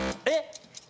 えっ！